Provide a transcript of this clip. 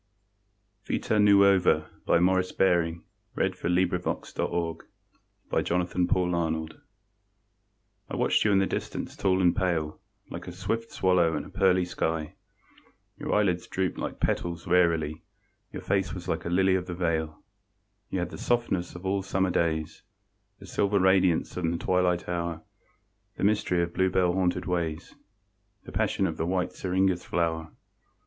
die, So many that they will not count the Dead. POEMS WRITTEN BEFORE THE WAR VITA NUOVA I watched you in the distance tall and pale, Like a swift swallow in a pearly sky; Your eyelids drooped like petals wearily, Your face was like a lily of the vale. You had the softness of all Summer days, The silver radiance of the twilight hour, The mystery of bluebell haunted ways, The passion of the white syringa's flower.